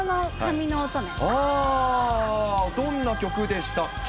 どんな曲でしたっけ。